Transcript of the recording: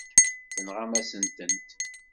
Tenɣam-asen-tent.